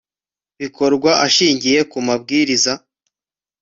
bikorwa ashingiye ku mabwiriza